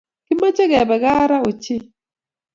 Kimache kebe kaa raa ochen